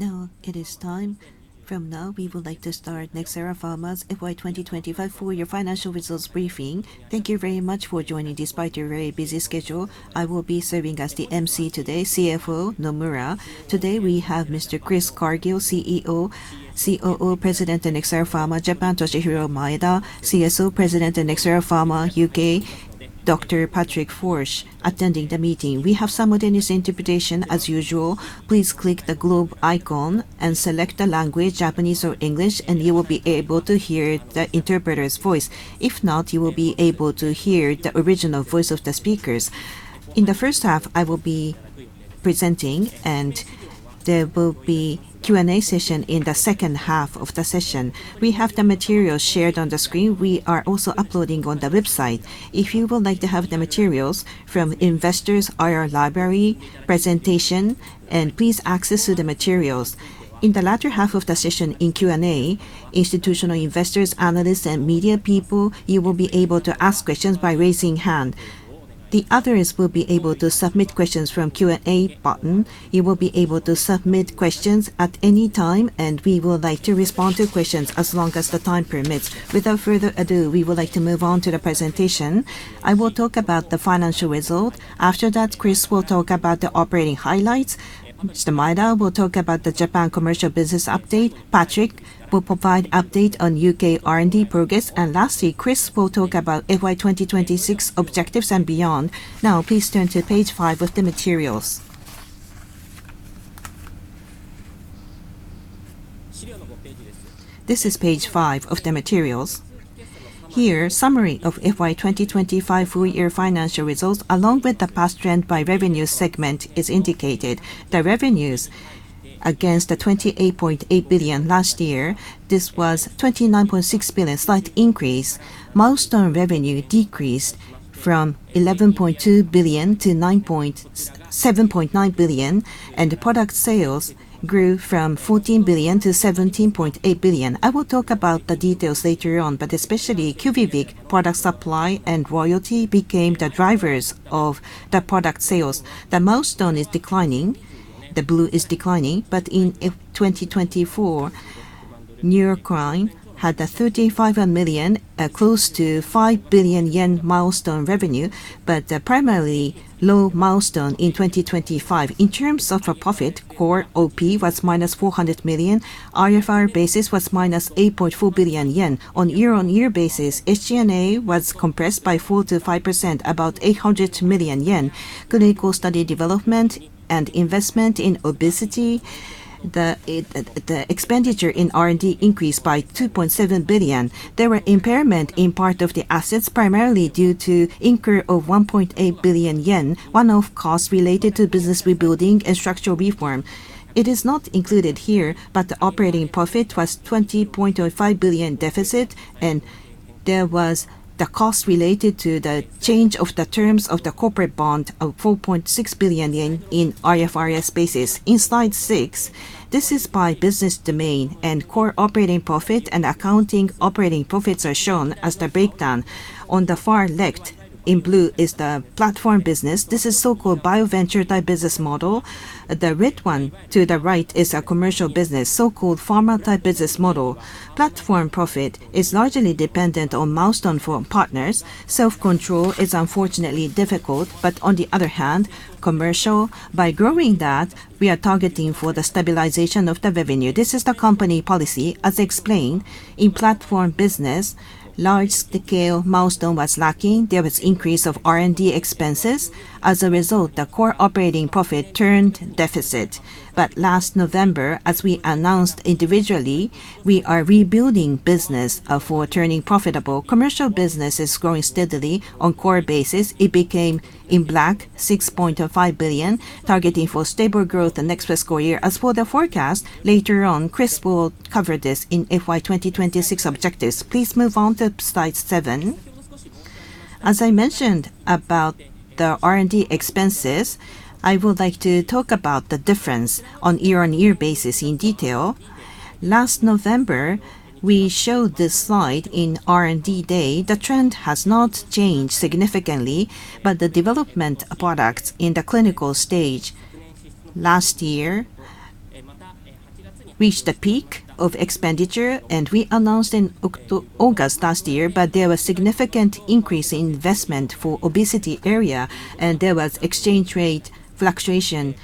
Now, it is time. From now, we would like to start Nxera Pharma's FY 2025 full year financial results briefing. Thank you very much for joining despite your very busy schedule. I will be serving as the MC today, CFO Nomura. Today, we have Mr. Chris Cargill, CEO, COO President in Nxera Pharma, Japan, Toshihiro Maeda, CSO President in Nxera Pharma, U.K., Dr. Patrik Foerch, attending the meeting. We have simultaneous interpretation, as usual. Please click the globe icon and select the language, Japanese or English, and you will be able to hear the interpreter's voice. If not, you will be able to hear the original voice of the speakers. In the first half, I will be presenting, and there will be Q&A session in the second half of the session. We have the materials shared on the screen. We are also uploading on the website. If you would like to have the materials from investors or our library presentation, please access the materials. In the latter half of the session, in Q&A, institutional investors, analysts, and media people, you will be able to ask questions by raising hand. The others will be able to submit questions from Q&A button. You will be able to submit questions at any time, and we would like to respond to questions as long as the time permits. Without further ado, we would like to move on to the presentation. I will talk about the financial result. After that, Chris will talk about the operating highlights. Mr. Maeda will talk about the Japan commercial business update. Patrik will provide update on U.K. R&D progress. Lastly, Chris will talk about FY 2026 objectives and beyond. Now, please turn to page five of the materials. This is page five of the materials. Here, summary of FY 2025 full year financial results, along with the past trend by revenue segment, is indicated. The revenues against the 28.8 billion last year, this was 29.6 billion, slight increase. Milestone revenue decreased from 11.2 billion-9.7 billion, and the product sales grew from 14 billion-17.8 billion. I will talk about the details later on, but especially QUVIVIQ product supply and royalty became the drivers of the product sales. The milestone is declining, the blue is declining, but in FY 2024, Neurocrine had a $35 million, close to 5 billion yen milestone revenue, but, primarily low milestone in 2025. In terms of a profit, core OP was -400 million. IFRS basis was -8.4 billion yen. On year-on-year basis, SG&A was compressed by 4%-5%, about 800 million yen. Clinical study development and investment in obesity, the, the expenditure in R&D increased by 2.7 billion. There were impairment in part of the assets, primarily due to incurrence of 1.8 billion yen, one-off costs related to business rebuilding and structural reform. It is not included here, but the operating profit was 20.05 billion deficit, and there was the cost related to the change of the terms of the corporate bond of 4.6 billion yen in IFRS basis. In slide six, this is by business domain, and core operating profit and accounting operating profits are shown as the breakdown. On the far left, in blue, is the platform business. This is so-called bioventure-type business model. The red one to the right is a commercial business, so-called pharma-type business model. Platform profit is largely dependent on milestone for partners. Self-control is unfortunately difficult, but on the other hand, commercial, by growing that, we are targeting for the stabilization of the revenue. This arises the company policy, as explained. In platform business, large-scale milestone was lacking. There was increase of R&D expenses. As a result, the core operating profit turned deficit. But last November, as we announced individually, we are rebuilding business, for turning profitable. Commercial business is growing steadily on core basis. It became, in black, 6.05 billion, targeting for stable growth the next fiscal year. As for the forecast, later on, Chris will cover this in FY 2026 objectives. Please move on to slide seven. As I mentioned about the R&D expenses, I would like to talk about the difference on year-on-year basis in detail. Last November, we showed this slide in R&D Day. The trend has not changed significantly, but the development of products in the clinical stage last year reached a peak of expenditure, and we announced in August last year, but there was significant increase in investment for obesity area, and there was exchange rate fluctuation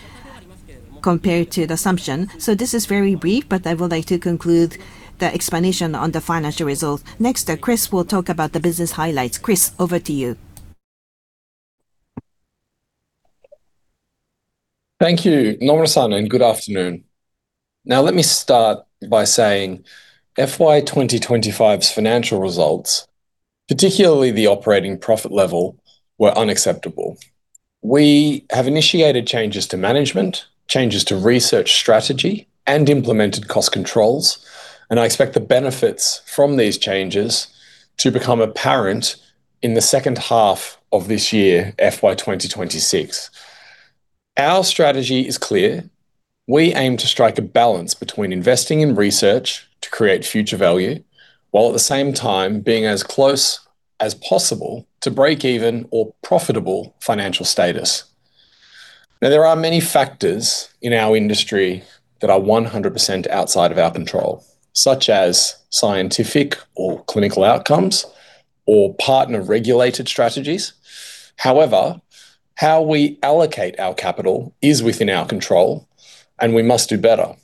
compared to the assumption. So this is very brief, but I would like to conclude the explanation on the financial results. Next, Chris will talk about the business highlights. Chris, over to you. Thank you, Nomura-san, and good afternoon. Now, let me start by saying FY 2025's financial results, particularly the operating profit level, were unacceptable. We have initiated changes to management, changes to research strategy, and implemented cost controls, and I expect the benefits from these changes to become apparent in the second half of this year, FY 2026. Our strategy is clear: We aim to strike a balance between investing in research to create future value, while at the same time being as close as possible to break even or profitable financial status. Now, there are many factors in our industry that are 100% outside of our control, such as scientific or clinical outcomes, or partner-regulated strategies. However, how we allocate our capital is within our control, and we must do better.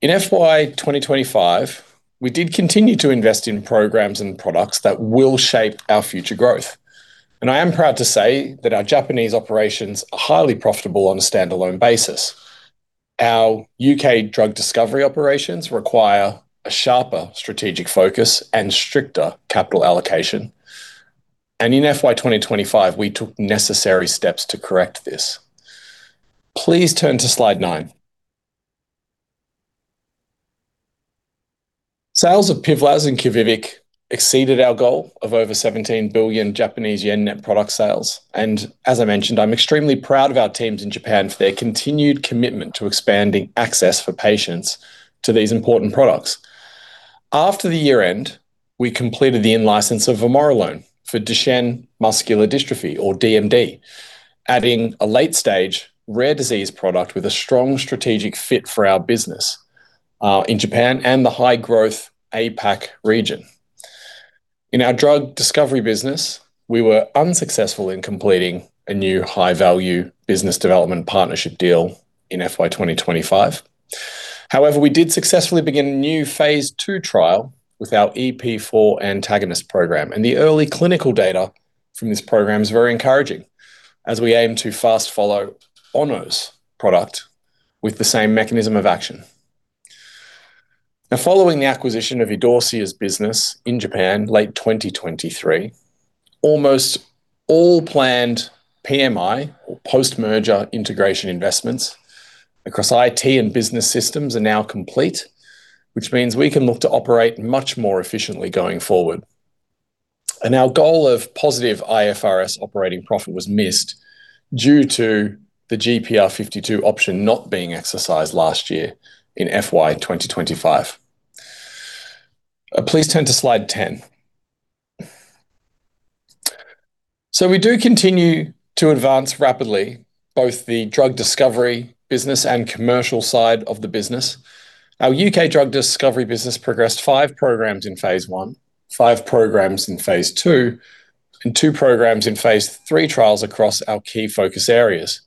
In FY 2025, we did continue to invest in programs and products that will shape our future growth, and I am proud to say that our Japanese operations are highly profitable on a standalone basis. Our U.K. drug discovery operations require a sharper strategic focus and stricter capital allocation, and in FY 2025, we took necessary steps to correct this. Please turn to slide nine. Sales of PIVLAZ and QUVIVIQ exceeded our goal of over 17 billion Japanese yen net product sales, and as I mentioned, I'm extremely proud of our teams in Japan for their continued commitment to expanding access for patients to these important products. After the year end, we completed the in-license of vamorolone for Duchenne Muscular Dystrophy or DMD, adding a late-stage rare disease product with a strong strategic fit for our business in Japan and the high-growth APAC region. In our drug discovery business, we were unsuccessful in completing a new high-value business development partnership deal in FY 2025. However, we did successfully begin a new phase II trial with our EP4 antagonist program, and the early clinical data from this program is very encouraging as we aim to fast follow Ono's product with the same mechanism of action. Now, following the acquisition of Idorsia's business in Japan, late 2023, almost all planned PMI or post-merger integration investments across IT and business systems are now complete, which means we can look to operate much more efficiently going forward. And our goal of positive IFRS operating profit was missed due to the GPR52 option not being exercised last year in FY 2025. Please turn to slide 10. So we do continue to advance rapidly, both the drug discovery business and commercial side of the business. Our U.K. drug discovery business progressed five programs in phase I, five programs in phase II, and two programs in phase III trials across our key focus areas.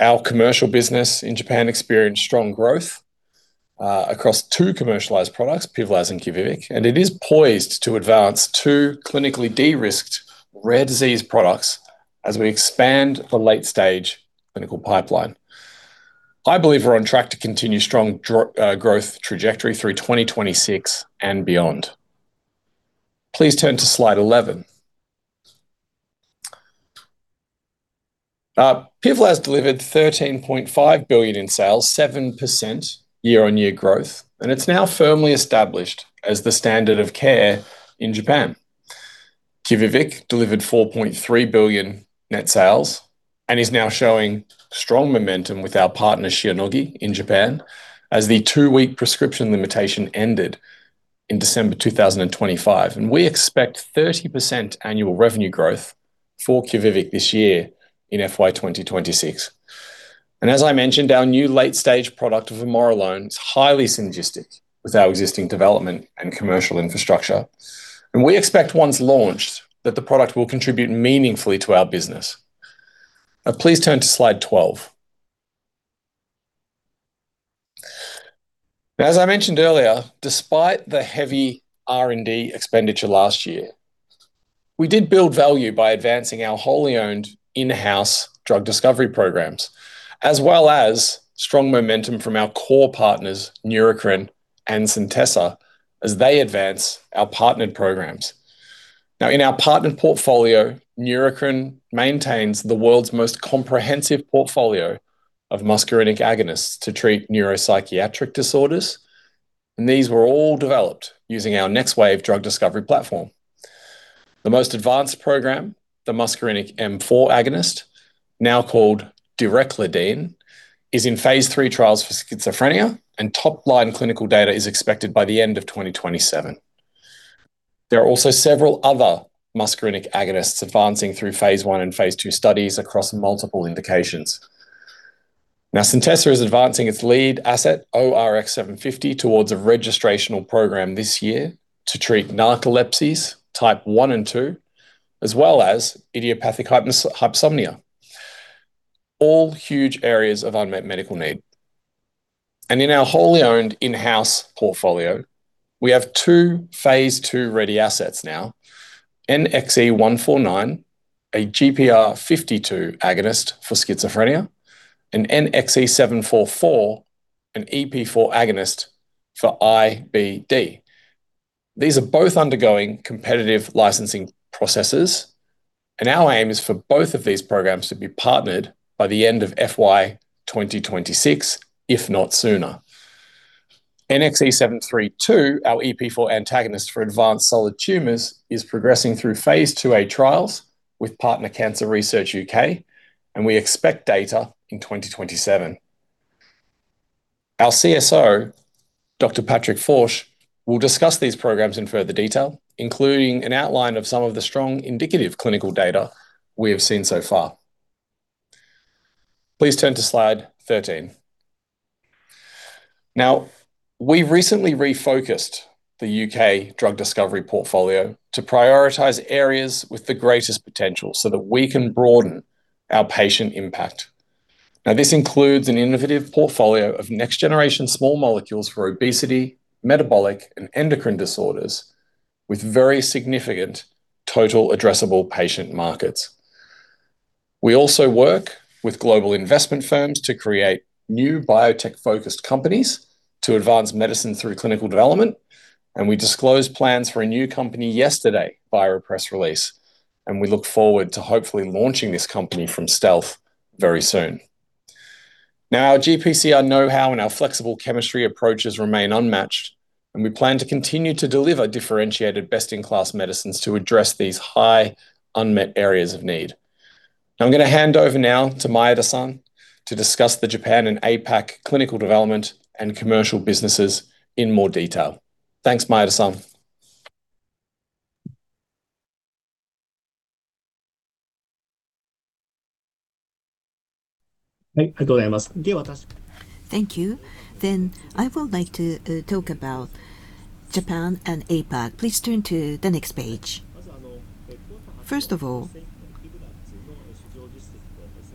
Our commercial business in Japan experienced strong growth across two commercialized products, PIVLAZ and QUVIVIQ, and it is poised to advance two clinically de-risked rare disease products as we expand the late-stage clinical pipeline. I believe we're on track to continue strong growth trajectory through 2026 and beyond. Please turn to slide 11. PIVLAZ delivered 13.5 billion in sales, 7% year-on-year growth, and it's now firmly established as the standard of care in Japan. QUVIVIQ delivered 4.3 billion net sales and is now showing strong momentum with our partner, Shionogi, in Japan, as the two-week prescription limitation ended in December 2025. We expect 30% annual revenue growth for QUVIVIQ this year in FY 2026. As I mentioned, our new late-stage product, vamorolone, is highly synergistic with our existing development and commercial infrastructure, and we expect once launched, that the product will contribute meaningfully to our business. Please turn to slide 12. Now, as I mentioned earlier, despite the heavy R&D expenditure last year, we did build value by advancing our wholly owned in-house drug discovery programs, as well as strong momentum from our core partners, Neurocrine and Centessa, as they advance our partnered programs. Now, in our partnered portfolio, Neurocrine maintains the world's most comprehensive portfolio of muscarinic agonists to treat neuropsychiatric disorders, and these were all developed using our NxWave drug discovery platform. The most advanced program, the muscarinic M4 agonist, now called NBI-1117568, is in phase III trials for schizophrenia, and top-line clinical data is expected by the end of 2027. There are also several other muscarinic agonists advancing through phase I and phase II studies across multiple indications. Now, Centessa is advancing its lead asset, ORX750, towards a registrational program this year to treat narcolepsy type 1 and 2, as well as idiopathic hypersomnia, all huge areas of unmet medical need. In our wholly owned in-house portfolio, we have two phase II-ready assets now, NXE149, a GPR52 agonist for schizophrenia, and NXE744, an EP4 agonist for IBD. These are both undergoing competitive licensing processes, and our aim is for both of these programs to be partnered by the end of FY 2026, if not sooner. NXE732, our EP4 antagonist for advanced solid tumors, is progressing through phase II-A trials with partner Cancer Research UK, and we expect data in 2027. Our CSO, Dr. Patrik Foerch, will discuss these programs in further detail, including an outline of some of the strong indicative clinical data we have seen so far. Please turn to slide 13. Now, we've recently refocused the U.K. drug discovery portfolio to prioritize areas with the greatest potential, so that we can broaden our patient impact. Now, this includes an innovative portfolio of next-generation small molecules for obesity, metabolic, and endocrine disorders, with very significant total addressable patient markets. We also work with global investment firms to create new biotech-focused companies to advance medicine through clinical development, and we disclosed plans for a new company yesterday via a press release, and we look forward to hopefully launching this company from stealth very soon. Now, our GPCR know-how and our flexible chemistry approaches remain unmatched, and we plan to continue to deliver differentiated, best-in-class medicines to address these high unmet areas of need. I'm going to hand over now to Maeda-san to discuss the Japan and APAC clinical development and commercial businesses in more detail. Thanks, Maeda-san. Thank you. Then I would like to talk about Japan and APAC. Please turn to the next page. First of all,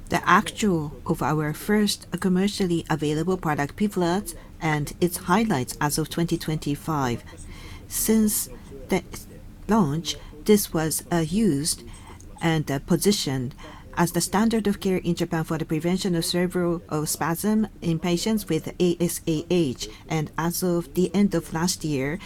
the actual of our first commercially available product, PIVLAZ, and its highlights as of 2025. Since the launch, this was used and positioned as the standard of care in Japan for the prevention of cerebral spasm in patients with aSAH. As of the end of last year,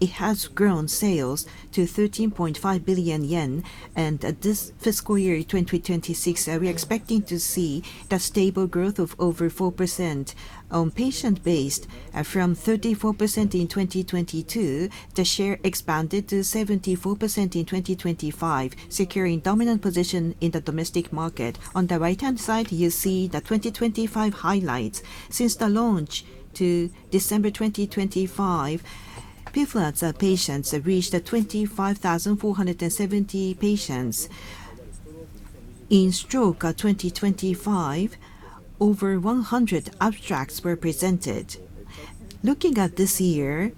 it has grown sales to 13.5 billion yen. At this fiscal year, 2026, we are expecting to see the stable growth of over 4% on patient-based. From 34% in 2022, the share expanded to 74% in 2025, securing dominant position in the domestic market. On the right-hand side, you see the 2025 highlights. Since the launch to December 2025, PIVLAZ patients have reached 25,470 patients. In stroke, 2025, over 100 abstracts were presented. Looking at this year,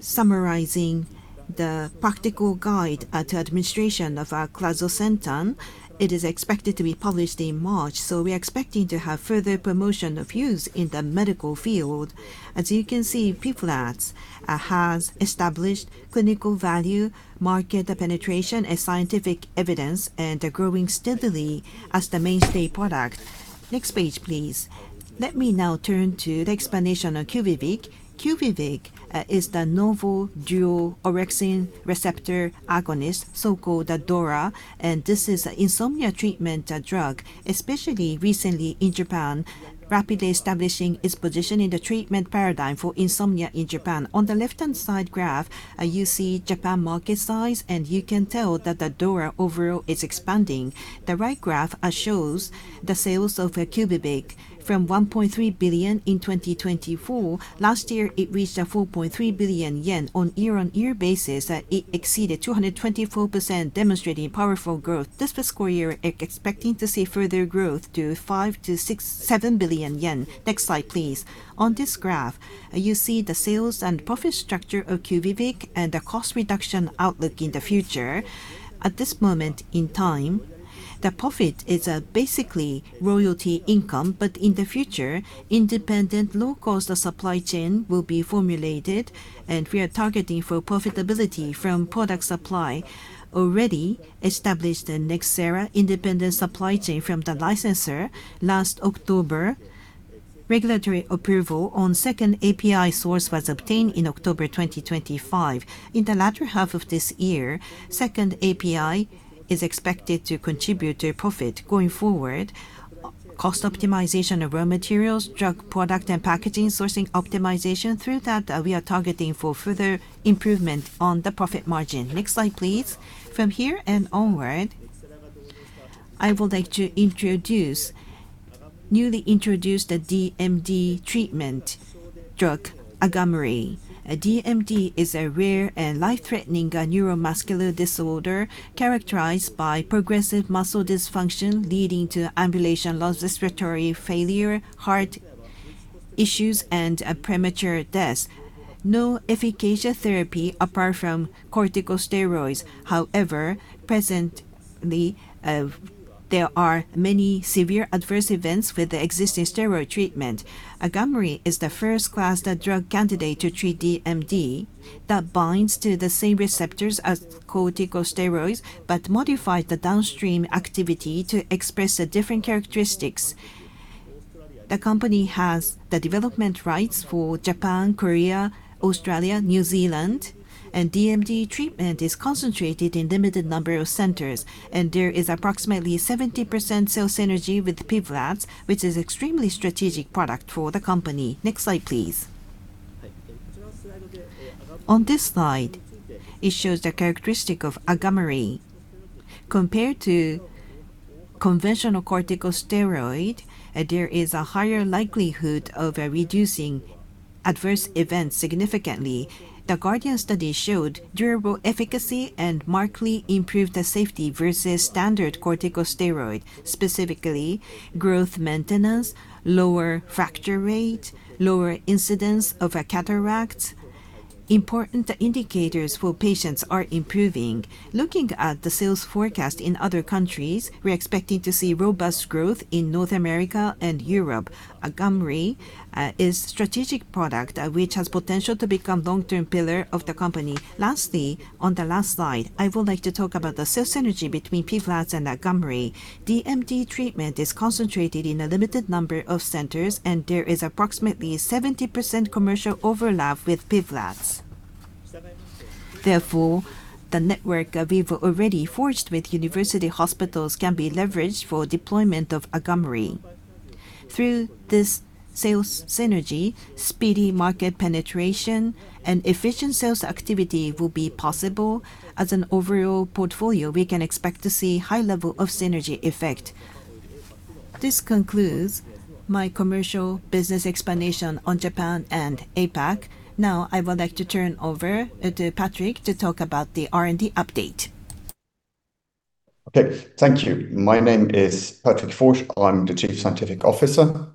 summarizing the practical guide to administration of clazosentan, it is expected to be published in March, so we are expecting to have further promotion of use in the medical field. As you can see, PIVLAZ has established clinical value, market penetration, and scientific evidence, and are growing steadily as the mainstay product. Next page, please. Let me now turn to the explanation of QUVIVIQ. QUVIVIQ is the novel dual orexin receptor agonist, so-called the DORA, and this is an insomnia treatment drug, especially recently in Japan, rapidly establishing its position in the treatment paradigm for insomnia in Japan. On the left-hand side graph, you see Japan market size, and you can tell that the DORA overall is expanding. The right graph shows the sales of QUVIVIQ from 1.3 billion in 2024. Last year, it reached 4.3 billion yen on year-on-year basis. It exceeded 224%, demonstrating powerful growth. This fiscal year, expecting to see further growth to 5 billion-6.7 billion yen. Next slide, please. On this graph, you see the sales and profit structure of QUVIVIQ and the cost reduction outlook in the future. At this moment in time, the profit is basically royalty income, but in the future, independent low-cost supply chain will be formulated, and we are targeting for profitability from product supply. Already established a Nxera independent supply chain from the licensor. Last October, regulatory approval on second API source was obtained in October 2025. In the latter half of this year, second API is expected to contribute to profit going forward. Cost optimization of raw materials, drug product, and packaging, sourcing optimization. Through that, we are targeting for further improvement on the profit margin. Next slide, please. From here and onward, I would like to introduce, newly introduce the DMD treatment, drug AGAMREE. DMD is a rare and life-threatening neuromuscular disorder characterized by progressive muscle dysfunction, leading to ambulation, loss of respiratory failure, heart issues, and a premature death. No efficacious therapy apart from corticosteroids. However, presently, there are many severe adverse events with the existing steroid treatment. AGAMREE is the first class, the drug candidate to treat DMD that binds to the same receptors as corticosteroids, but modifies the downstream activity to express the different characteristics. The company has the development rights for Japan, Korea, Australia, New Zealand, and DMD treatment is concentrated in limited number of centers, and there is approximately 70% sales synergy with PIVLAZ, which is extremely strategic product for the company. Next slide, please. On this slide, it shows the characteristic of AGAMREE. Compared to conventional corticosteroid, there is a higher likelihood of reducing adverse events significantly. The VISION-DMD study showed durable efficacy and markedly improved the safety versus standard corticosteroid, specifically growth maintenance, lower fracture rate, lower incidence of cataracts. Important indicators for patients are improving. Looking at the sales forecast in other countries, we're expecting to see robust growth in North America and Europe. AGAMREE is strategic product, which has potential to become long-term pillar of the company. Lastly, on the last slide, I would like to talk about the sales synergy between PIVLAZ and AGAMREE. DMD treatment is concentrated in a limited number of centers, and there is approximately 70% commercial overlap with PIVLAZ. Therefore, the network we've already forged with university hospitals can be leveraged for deployment of AGAMREE. Through this sales synergy, speedy market penetration and efficient sales activity will be possible. As an overall portfolio, we can expect to see high level of synergy effect. This concludes my commercial business explanation on Japan and APAC. Now, I would like to turn over to Patrik to talk about the R&D update. Okay. Thank you. My name is Patrik Foerch. I'm the Chief Scientific Officer,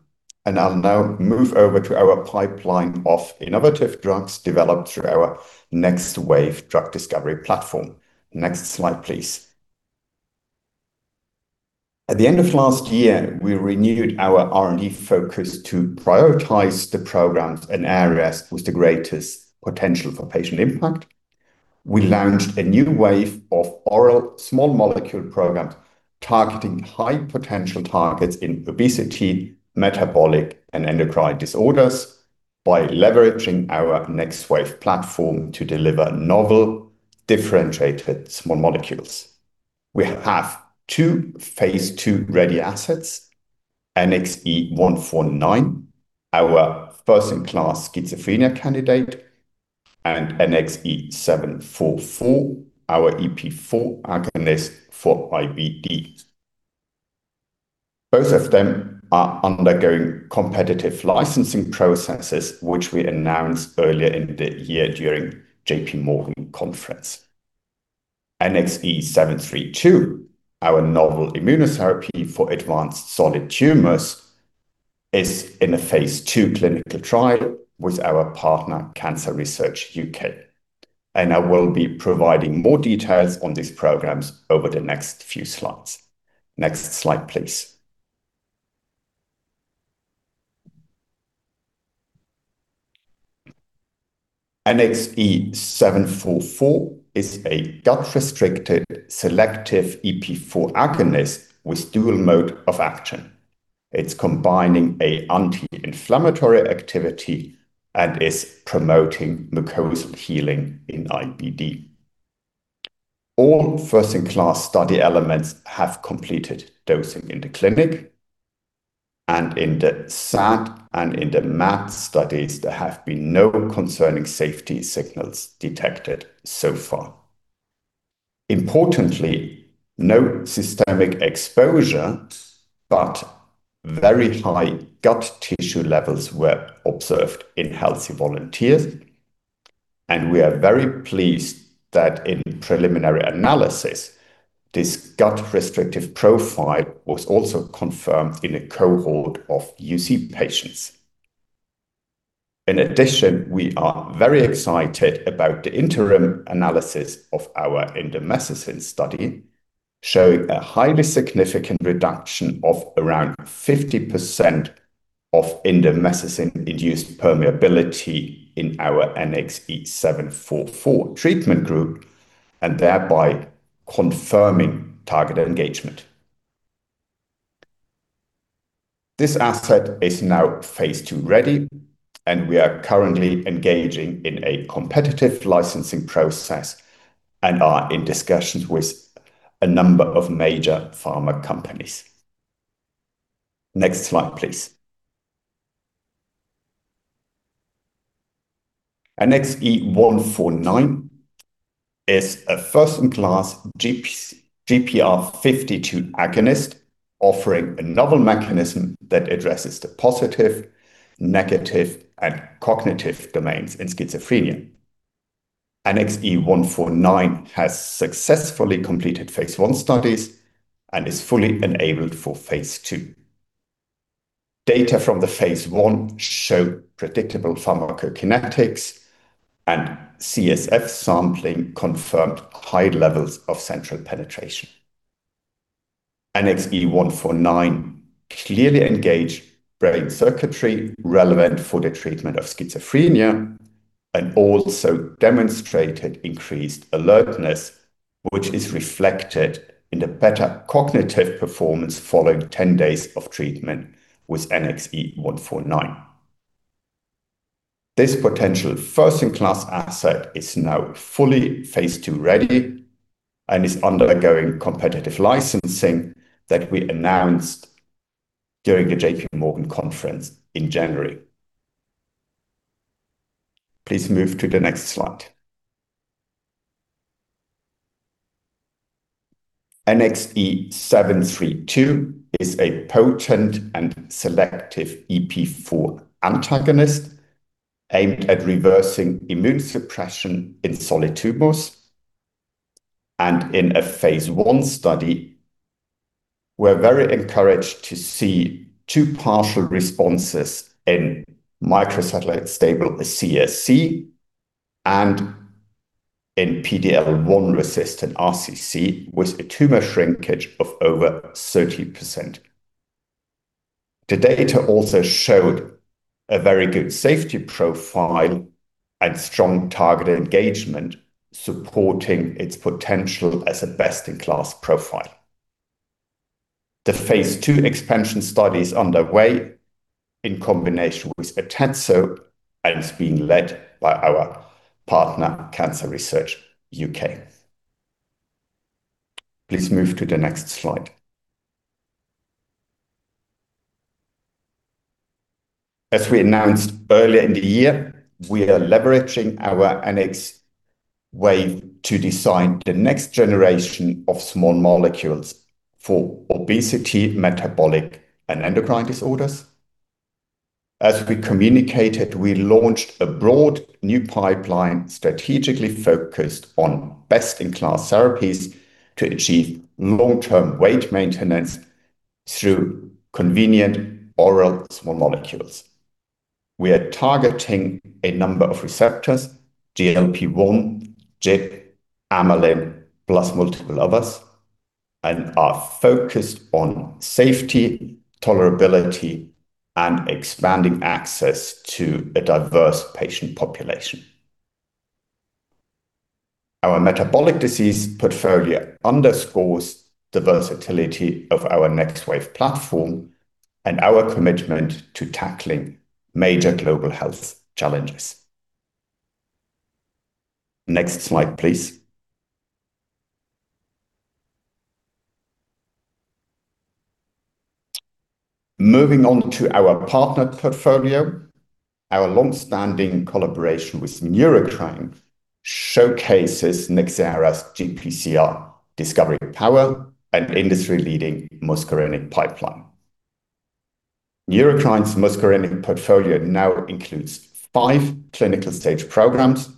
and I'll now move over to our pipeline of innovative drugs developed through our NxWave drug discovery platform. Next slide, please. At the end of last year, we renewed our R&D focus to prioritize the programs and areas with the greatest potential for patient impact. We launched a new wave of oral small molecule programs targeting high-potential targets in obesity, metabolic, and endocrine disorders by leveraging our NxWave platform to deliver novel, differentiated small molecules. We have two Phase II-ready assets, NXE149, our first-in-class schizophrenia candidate, and NXE744, our EP4 agonist for IBD. Both of them are undergoing competitive licensing processes, which we announced earlier in the year during JPMorgan conference. NXE732, our novel immunotherapy for advanced solid tumors, is in a Phase II clinical trial with our partner, Cancer Research UK, and I will be providing more details on these programs over the next few slides. Next slide, please. NXE744 is a gut-restricted, selective EP4 agonist with dual mode of action. It's combining an anti-inflammatory activity and is promoting mucosal healing in IBD. All first-in-class study elements have completed dosing in the clinic, and in the SAT and in the MAT studies, there have been no concerning safety signals detected so far. Importantly, no systemic exposure, but very high gut tissue levels were observed in healthy volunteers, and we are very pleased that in preliminary analysis, this gut-restrictive profile was also confirmed in a cohort of UC patients. In addition, we are very excited about the interim analysis of our indomethacin study, showing a highly significant reduction of around 50% of indomethacin-induced permeability in our NXE744 treatment group, and thereby confirming target engagement. This asset is now phase II-ready, and we are currently engaging in a competitive licensing process and are in discussions with a number of major pharma companies. Next slide, please. NXE149 is a first-in-class GPCR GPR52 agonist, offering a novel mechanism that addresses the positive, negative, and cognitive domains in schizophrenia. NXE149 has successfully completed phase I studies and is fully enabled for phase II. Data from the phase I show predictable pharmacokinetics, and CSF sampling confirmed high levels of central penetration. NXE149 clearly engage brain circuitry relevant for the treatment of schizophrenia and also demonstrated increased alertness, which is reflected in the better cognitive performance following 10 days of treatment with NXE149. This potential first-in-class asset is now fully phase II-ready and is undergoing competitive licensing that we announced during the JPMorgan conference in January. Please move to the next slide. NXE732 is a potent and selective EP4 antagonist aimed at reversing immune suppression in solid tumors, and in a phase I study, we're very encouraged to see two partial responses in microsatellite stable CRC and in PD-L1 resistant RCC, with a tumor shrinkage of over 30%. The data also showed a very good safety profile and strong target engagement, supporting its potential as a best-in-class profile. The phase II expansion study is underway in combination with OPDIVO and is being led by our partner, Cancer Research UK. Please move to the next slide. As we announced earlier in the year, we are leveraging our NxWave to design the next generation of small molecules for obesity, metabolic, and endocrine disorders. As we communicated, we launched a broad new pipeline, strategically focused on best-in-class therapies to achieve long-term weight maintenance through convenient oral small molecules. We are targeting a number of receptors: GLP-1, GIP, Amylin, plus multiple others, and are focused on safety, tolerability, and expanding access to a diverse patient population. Our metabolic disease portfolio underscores the versatility of our NxWave platform and our commitment to tackling major global health challenges. Next slide, please. Moving on to our partner portfolio. Our long-standing collaboration with Neurocrine showcases Nxera's GPCR discovery power and industry-leading muscarinic pipeline. Neurocrine's muscarinic portfolio now includes five clinical-stage programs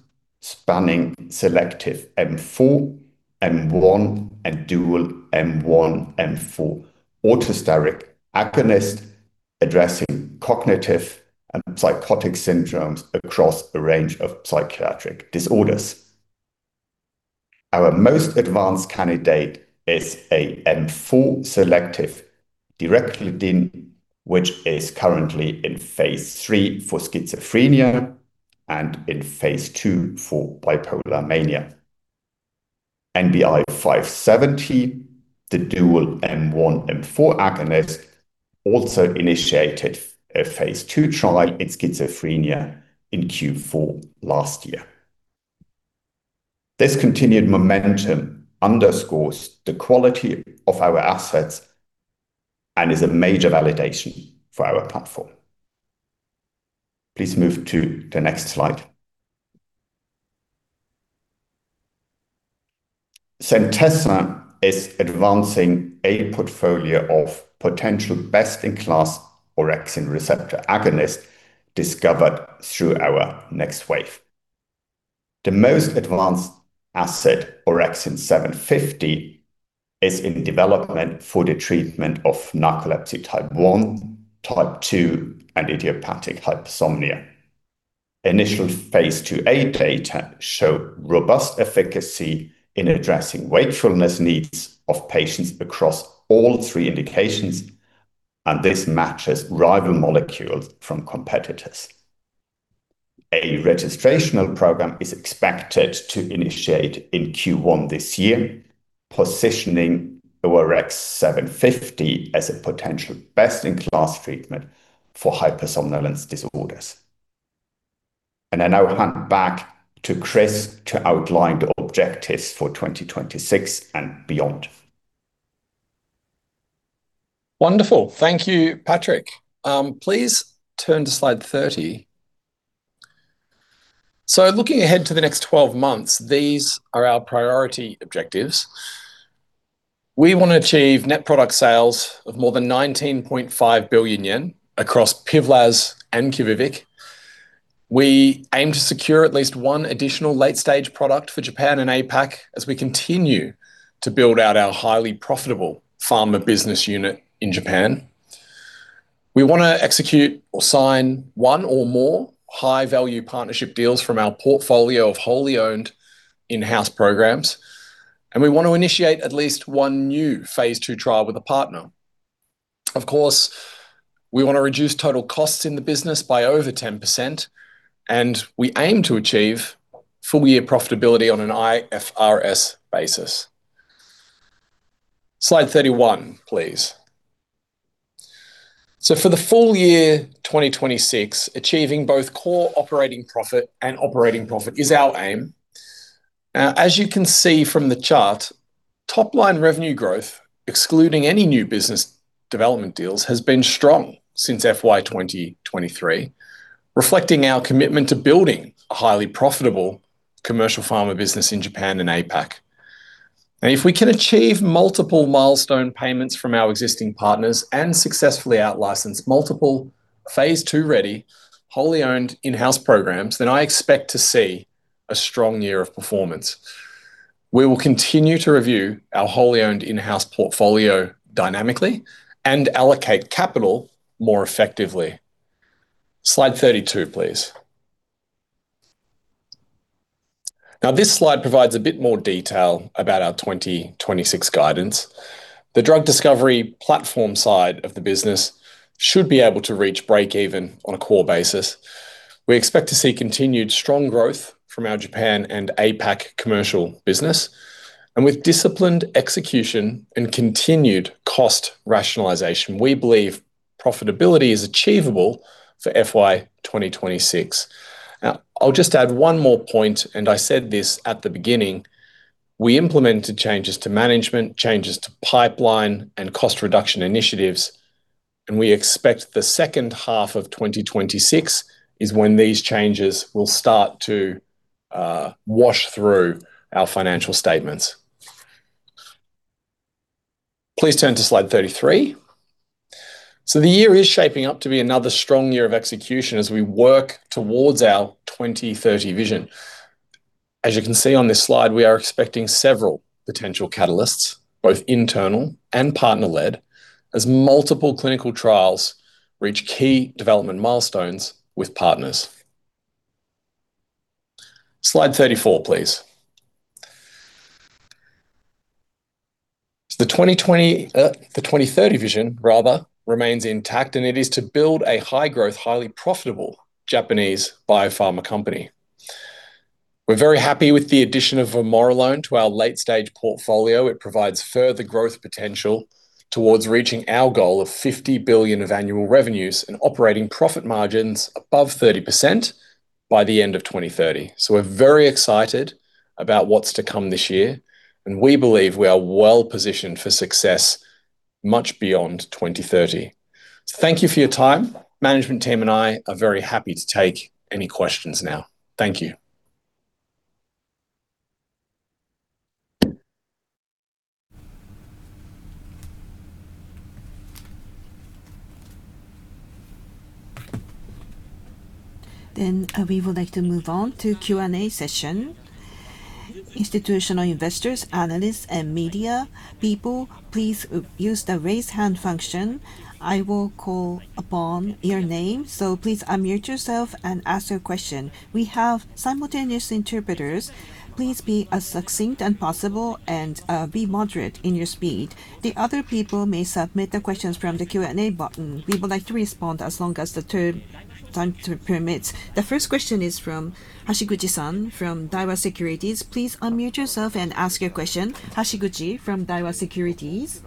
spanning selective M4, M1, and dual M1 M4 allosteric agonist, addressing cognitive and psychotic syndromes across a range of psychiatric disorders. Our most advanced candidate is a M4 selective emraclidine, which is currently in phase III for schizophrenia and in phase II for bipolar mania. NBI-570, the dual M1 M4 agonist, also initiated a phase II trial in schizophrenia in Q4 last year. This continued momentum underscores the quality of our assets and is a major validation for our platform. Please move to the next slide. Centessa is advancing a portfolio of potential best-in-class orexin receptor agonist discovered through our NxWave. The most advanced asset, ORX750, is in development for the treatment of narcolepsy type 1, type 2, and idiopathic hypersomnia. Phase II-A data show robust efficacy in addressing wakefulness needs of patients across all three indications, and this matches rival molecules from competitors. A registrational program is expected to initiate in Q1 this year, positioning ORX750 as a potential best-in-class treatment for hypersomnolence disorders. I now hand back to Chris to outline the objectives for 2026 and beyond. Wonderful. Thank you, Patrik. Please turn to slide 30. So looking ahead to the next 12 months, these are our priority objectives. We want to achieve net product sales of more than 19.5 billion yen across PIVLAZ and QUVIVIQ. We aim to secure at least one additional late-stage product for Japan and APAC as we continue to build out our highly profitable pharma business unit in Japan. We want to execute or sign one or more high-value partnership deals from our portfolio of wholly owned in-house programs, and we want to initiate at least one new phase II trial with a partner. Of course, we want to reduce total costs in the business by over 10%, and we aim to achieve full-year profitability on an IFRS basis. Slide 31, please. So, for the full year 2026, achieving both core operating profit and operating profit is our aim. Now, as you can see from the chart, top line revenue growth, excluding any new business development deals, has been strong since FY 2023, reflecting our commitment to building a highly profitable commercial pharma business in Japan and APAC. If we can achieve multiple milestone payments from our existing partners and successfully out-license multiple phase II ready, wholly owned in-house programs, then I expect to see a strong year of performance. We will continue to review our wholly owned in-house portfolio dynamically and allocate capital more effectively. Slide 32, please. Now, this slide provides a bit more detail about our 2026 guidance. The drug discovery platform side of the business should be able to reach breakeven on a core basis. We expect to see continued strong growth from our Japan and APAC commercial business, and with disciplined execution and continued cost rationalization, we believe profitability is achievable for FY 2026. Now, I'll just add one more point, and I said this at the beginning: We implemented changes to management, changes to pipeline, and cost reduction initiatives, and we expect the second half of 2026 is when these changes will start to wash through our financial statements. Please turn to slide 33. So the year is shaping up to be another strong year of execution as we work towards our 2030 vision. As you can see on this slide, we are expecting several potential catalysts, both internal and partner-led, as multiple clinical trials reach key development milestones with partners. Slide 34, please. So the 2020, the 2030 vision, rather, remains intact, and it is to build a high-growth, highly profitable Japanese biopharma company. We're very happy with the addition of vamorolone to our late-stage portfolio. It provides further growth potential towards reaching our goal of 50 billion of annual revenues and operating profit margins above 30% by the end of 2030. So we're very excited about what's to come this year, and we believe we are well-positioned for success much beyond 2030. Thank you for your time. Management team and I are very happy to take any questions now. Thank you. Then, we would like to move on to Q&A session. Institutional investors, analysts, and media people, please, use the Raise Hand function. I will call upon your name, so please unmute yourself and ask your question. We have simultaneous interpreters. Please be as succinct as possible and be moderate in your speed. The other people may submit the questions from the Q&A button. We would like to respond as long as the time permits. The first question is from Hashiguchi-san, from Daiwa Securities. Please unmute yourself and ask your question. Hashiguchi from Daiwa Securities.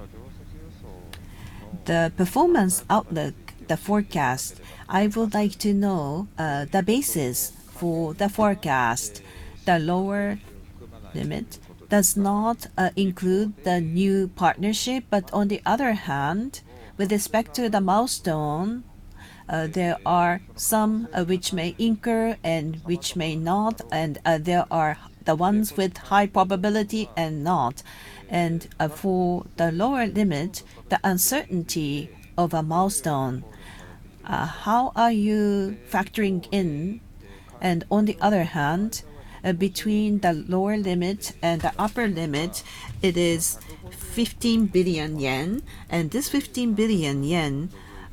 The performance outlook, the forecast, I would like to know, the basis for the forecast. The lower limit does not include the new partnership, but on the other hand, with respect to the milestone, there are some which may incur and which may not, and there are the ones with high probability and not. And for the lower limit, the uncertainty of a milestone, how are you factoring in? And on the other hand, between the lower limit and the upper limit, it is 15 billion yen. And this 15 billion yen,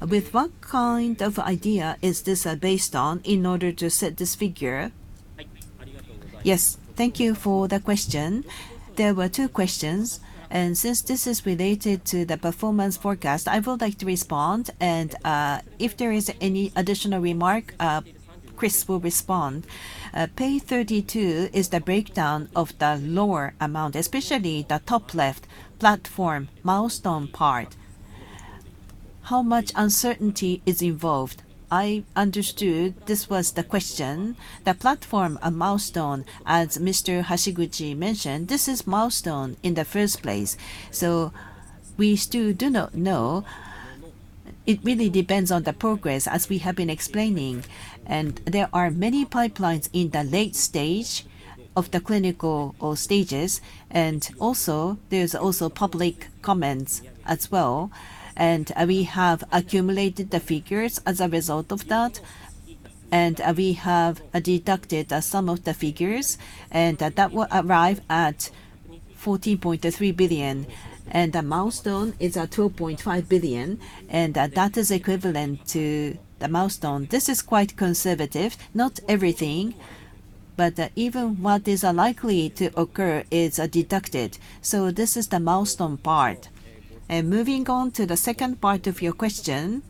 with what kind of idea is this based on in order to set this figure? Yes. Thank you for the question. There were two questions, and since this is related to the performance forecast, I would like to respond and if there is any additional remark, Chris will respond. Page 32 is the breakdown of the lower amount, especially the top left platform, milestone part. How much uncertainty is involved? I understood this was the question. The platform, a milestone, as Mr. Hashiguchi mentioned, this is milestone in the first place, so we still do not know. It really depends on the progress, as we have been explaining, and there are many pipelines in the late stage of the clinical stages, and also, there's also public comments as well. And, we have accumulated the figures as a result of that, and, we have, deducted the sum of the figures, and that will arrive at 14.3 billion, and the milestone is at 2.5 billion, and that, that is equivalent to the milestone. This is quite conservative, not everything, but, even what is unlikely to occur is, deducted. This is the milestone part. Moving on to the second part of your question.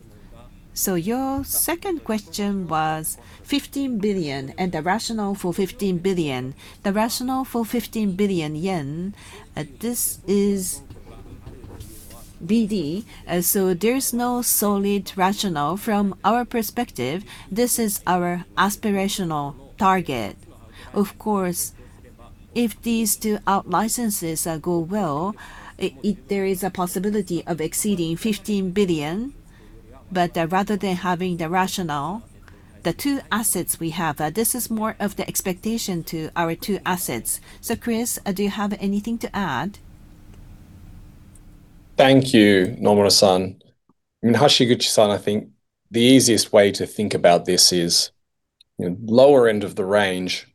Your second question was 15 billion and the rationale for 15 billion. The rationale for 15 billion yen, this is BD, so there's no solid rationale. From our perspective, this is our aspirational target. Of course, if these two out-licenses go well, there is a possibility of exceeding 15 billion. But, rather than having the rationale, the two assets we have, this is more of the expectation to our two assets. Chris, do you have anything to add? Thank you, Nomura-san. And Hashiguchi-san, I think the easiest way to think about this is, lower end of the range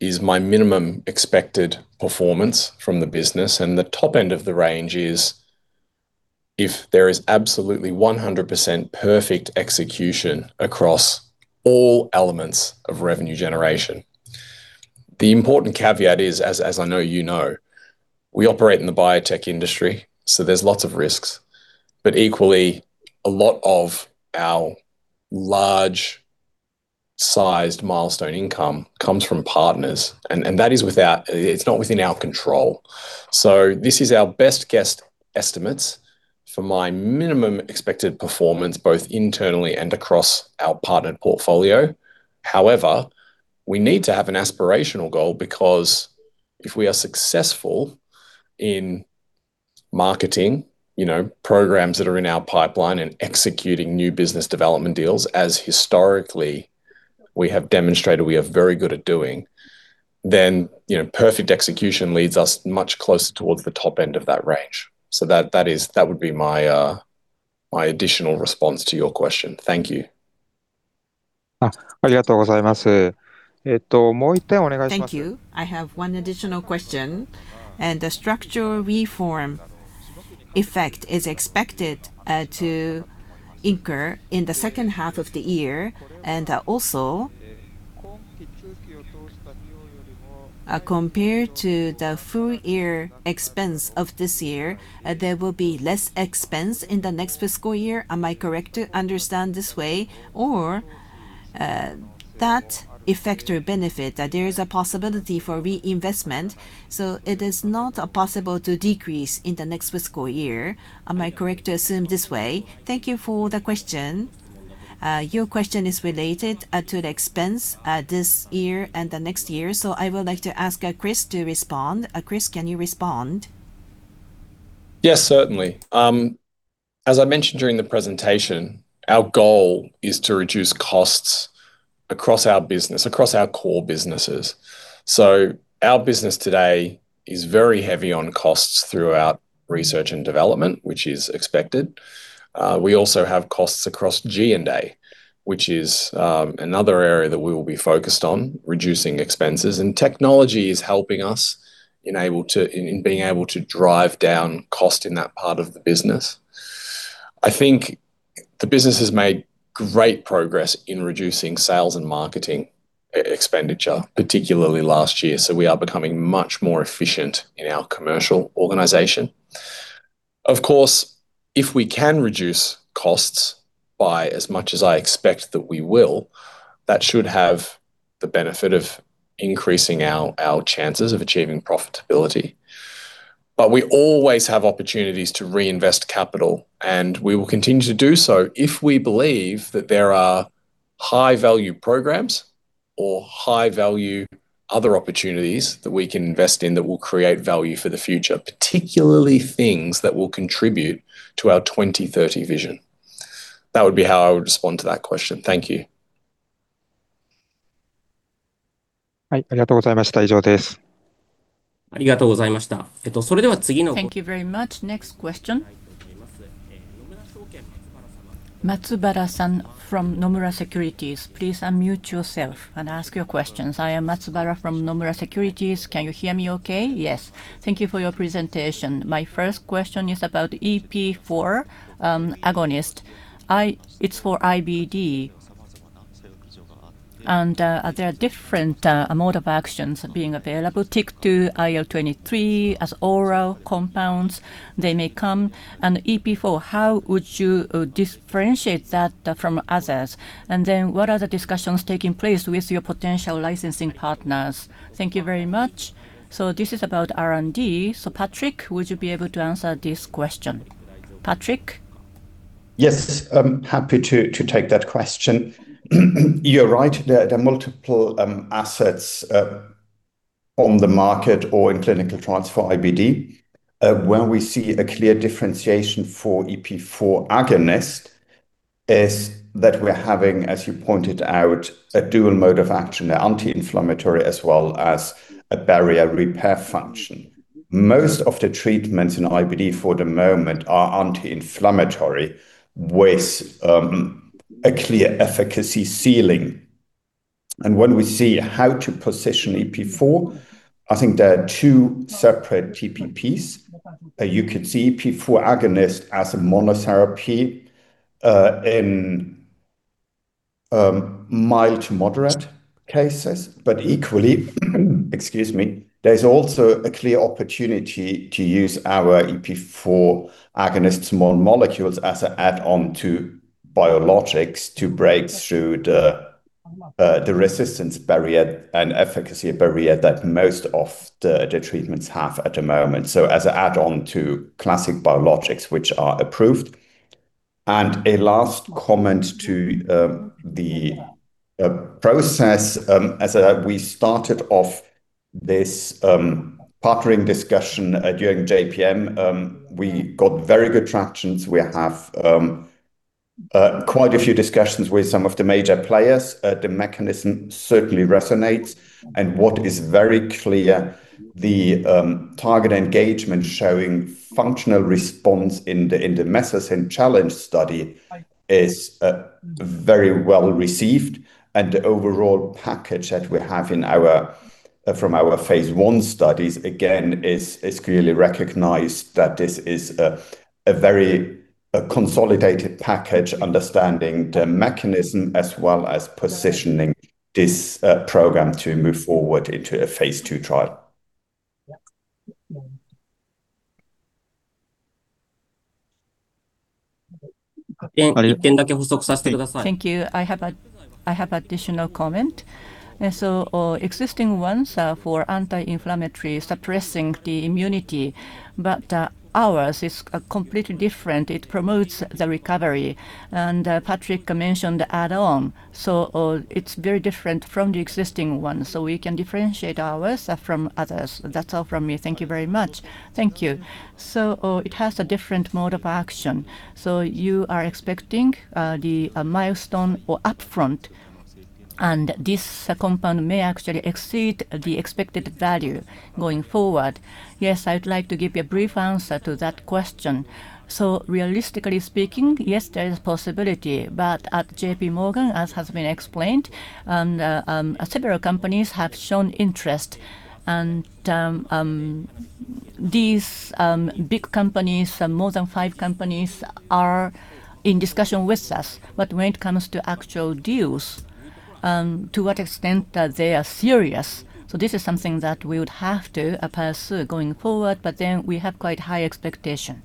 is my minimum expected performance from the business, and the top end of the range is if there is absolutely 100% perfect execution across all elements of revenue generation. The important caveat is, as I know you know, we operate in the biotech industry, so there's lots of risks. But equally, a lot of our large-sized milestone income comes from partners, and that is without... it's not within our control. So this is our best guessed estimates for my minimum expected performance, both internally and across our partnered portfolio. However, we need to have an aspirational goal because if we are successful in marketing, you know, programs that are in our pipeline and executing new business development deals, as historically we have demonstrated we are very good at doing, then, you know, perfect execution leads us much closer towards the top end of that range. So that, that would be my, my additional response to your question. Thank you. Thank you. I have one additional question. And the structural reform effect is expected to occur in the second half of the year, and also, compared to the full year expense of this year, there will be less expense in the next fiscal year. Am I correct to understand this way? Or, that effect or benefit, that there is a possibility for reinvestment, so it is not possible to decrease in the next fiscal year. Am I correct to assume this way? Thank you for the question. Your question is related to the expense this year and the next year, so I would like to ask Chris to respond. Chris, can you respond? Yes, certainly. As I mentioned during the presentation, our goal is to reduce costs across our business, across our core businesses. So our business today is very heavy on costs throughout research and development, which is expected. We also have costs across G&A, which is another area that we will be focused on reducing expenses. And technology is helping us enable to in being able to drive down cost in that part of the business. I think the business has made great progress in reducing sales and marketing expenditure, particularly last year, so we are becoming much more efficient in our commercial organization. Of course, if we can reduce costs by as much as I expect that we will, that should have the benefit of increasing our chances of achieving profitability. But we always have opportunities to reinvest capital, and we will continue to do so if we believe that there are high-value programs or high-value other opportunities that we can invest in that will create value for the future, particularly things that will contribute to our 2030 vision. That would be how I would respond to that question. Thank you. Thank you very much. Next question. Matsubara-san from Nomura Securities, please unmute yourself and ask your questions. I am Matsubara from Nomura Securities. Can you hear me okay? Yes. Thank you for your presentation. My first question is about EP4 agonist. It's for IBD. And there are different mode of actions being available, TYK2, IL-23 as oral compounds, they may come. And EP4, how would you differentiate that from others? And then, what are the discussions taking place with your potential licensing partners? Thank you very much. This is about R&D. Patrik, would you be able to answer this question? Patrik? Yes, I'm happy to take that question. You're right, there are multiple assets on the market or in clinical trials for IBD. Where we see a clear differentiation for EP4 agonist is that we're having, as you pointed out, a dual mode of action, an anti-inflammatory as well as a barrier repair function. Most of the treatments in IBD for the moment are anti-inflammatory, with a clear efficacy ceiling. And when we see how to position EP4, I think there are two separate TPPs. You could see EP4 agonist as a monotherapy in mild to moderate cases, but equally, excuse me, there's also a clear opportunity to use our EP4 agonist small molecules as a add-on to biologics to break through the resistance barrier and efficacy barrier that most of the treatments have at the moment. So as an add-on to classic biologics, which are approved. A last comment to the process, as we started off this partnering discussion during JPM, we got very good traction. We have quite a few discussions with some of the major players. The mechanism certainly resonates, and what is very clear, the target engagement showing functional response in the mesosyn challenge study is very well received, and the overall package that we have from our phase I studies, again, is clearly recognized that this is a very consolidated package, understanding the mechanism as well as positioning this program to move forward into a phase two trial. Thank you. I have an additional comment. Existing ones are for anti-inflammatory, suppressing the immunity, but ours is, are completely different. It promotes the recovery, and Patrik mentioned the add-on, so it's very different from the existing ones, so we can differentiate ours from others. That's all from me. Thank you very much. Thank you. It has a different mode of action, so you are expecting a milestone or upfront, and this compound may actually exceed the expected value going forward. Yes, I'd like to give you a brief answer to that question. So realistically speaking, yes, there is possibility, but at JPMorgan, as has been explained, and several companies have shown interest, and these big companies, more than five companies, are in discussion with us. But when it comes to actual deals, to what extent that they are serious? So this is something that we would have to pursue going forward, but then we have quite high expectation.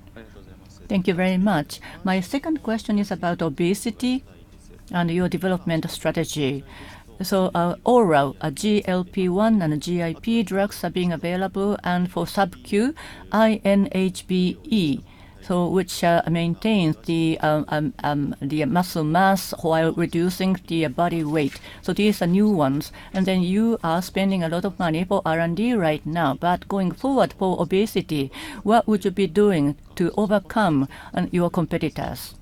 Thank you very much. My second question is about obesity and your development strategy. So, oral, GLP-1 and GIP drugs are being available, and for sub-Q, INHBE, so which maintains the muscle mass while reducing the body weight. So these are new ones, and then you are spending a lot of money for R&D right now, but going forward for obesity, what would you be doing to overcome your competitors?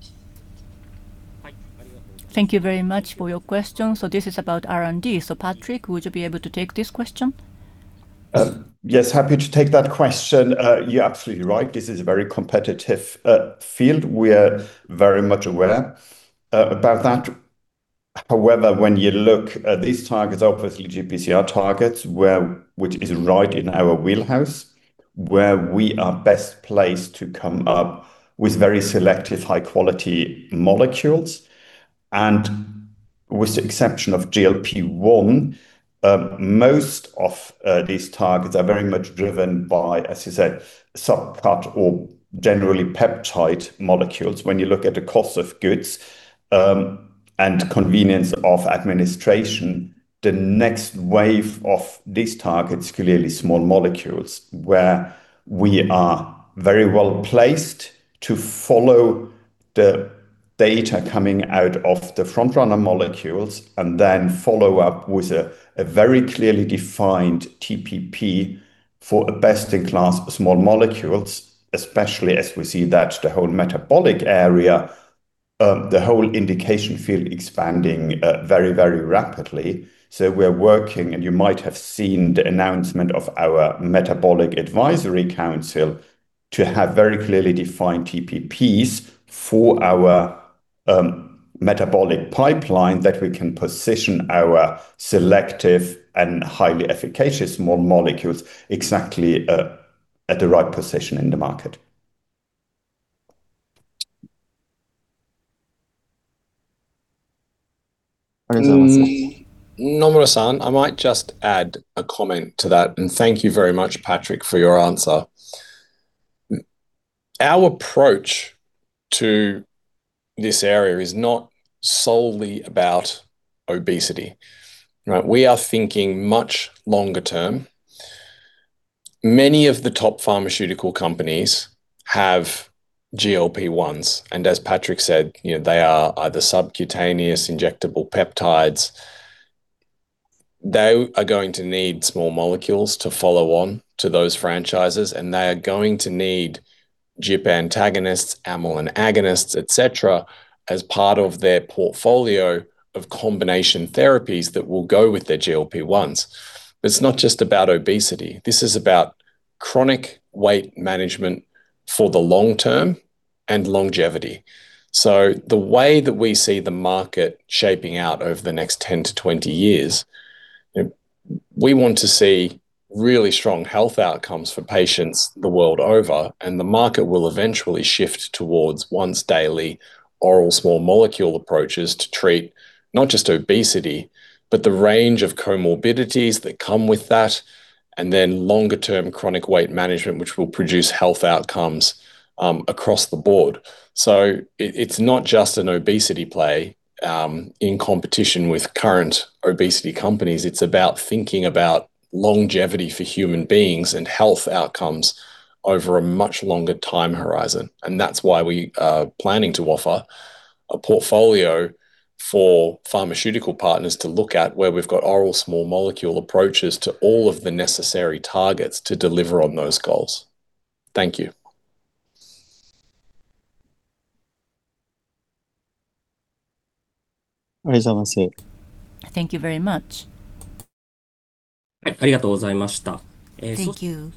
Thank you very much for your question. So this is about R&D. So Patrik, would you be able to take this question? Yes, happy to take that question. You're absolutely right, this is a very competitive field. We are very much aware about that. However, when you look at these targets, obviously GPCR targets, which is right in our wheelhouse, where we are best placed to come up with very selective, high-quality molecules. And with the exception of GLP-1, most of these targets are very much driven by, as you said, subcut or generally peptide molecules. When you look at the cost of goods, and convenience of administration, the next wave of these targets, clearly small molecules, where we are very well placed to follow the data coming out of the frontrunner molecules and then follow up with a very clearly defined TPP for a best-in-class small molecules, especially as we see that the whole metabolic area, the whole indication field expanding, very, very rapidly. So we're working, and you might have seen the announcement of our metabolic advisory council, to have very clearly defined TPPs for our, metabolic pipeline that we can position our selective and highly efficacious small molecules exactly, at the right position in the market. Nomura-san, I might just add a comment to that, and thank you very much, Patrik, for your answer. Our approach to this area is not solely about obesity, right? We are thinking much longer term. Many of the top pharmaceutical companies have GLP-1s, and as Patrik said, you know, they are either subcutaneous injectable peptides. They are going to need small molecules to follow on to those franchises, and they are going to need GIP antagonists, amylin agonists, et cetera, as part of their portfolio of combination therapies that will go with their GLP-1s. But it's not just about obesity. This is about chronic weight management for the long term and longevity. So the way that we see the market shaping out over the next 10-20 years, we want to see really strong health outcomes for patients the world over, and the market will eventually shift towards once-daily oral small molecule approaches to treat not just obesity, but the range of comorbidities that come with that and then longer term chronic weight management, which will produce health outcomes across the board. So it, it's not just an obesity play in competition with current obesity companies. It's about thinking about longevity for human beings and health outcomes over a much longer time horizon. And that's why we are planning to offer a portfolio for pharmaceutical partners to look at, where we've got oral small molecule approaches to all of the necessary targets to deliver on those goals. Thank you. Thank you very much. Thank you.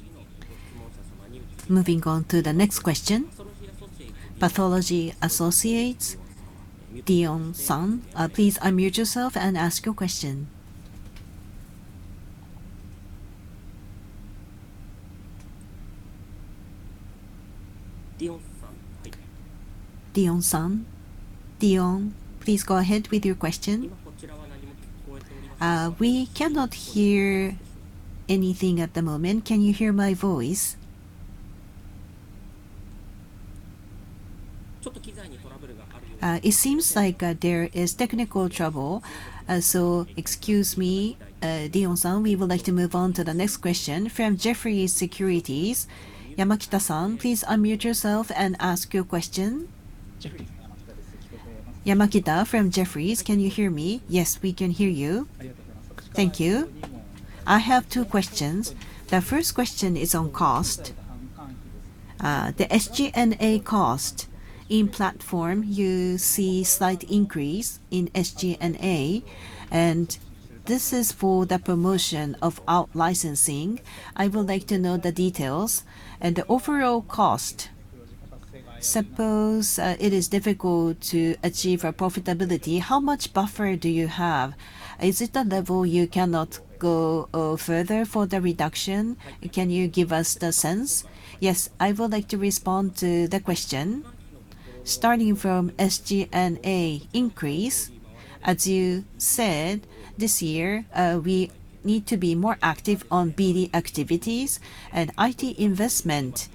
Moving on to the next question. Pathology Associates, Dion-san, please unmute yourself and ask your question. Dion-san. Dion, please go ahead with your question. We cannot hear anything at the moment. Can you hear my voice? It seems like there is technical trouble, so excuse me, Dion-san. We would like to move on to the next question from Jefferies Securities. Yamakita Son, please unmute yourself and ask your question. Jefferies. Yamakita from Jefferies, can you hear me? Yes, we can hear you. Thank you. I have two questions. The first question is on cost. The SG&A cost. In platform, you see slight increase in SG&A, and this is for the promotion of out-licensing. I would like to know the details and the overall cost. Suppose it is difficult to achieve a profitability, how much buffer do you have? Is it a level you cannot go further for the reduction? Can you give us the sense? Yes, I would like to respond to the question. Starting from SG&A increase, as you said, this year, we need to be more active on BD activities and IT investment.